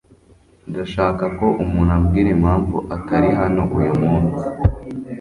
Ndashaka ko umuntu ambwira impamvu atari hano uyu munsi.